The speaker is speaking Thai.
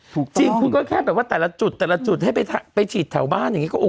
จริงคุณก็แค่แบบว่าแต่ละจุดแต่ละจุดให้ไปฉีดแถวบ้านอย่างนี้ก็โอ